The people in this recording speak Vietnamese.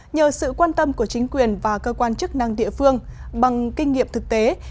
nhờ sự quan tâm của chính quyền và cơ quan chức năng địa phương bằng kinh nghiệm thực tế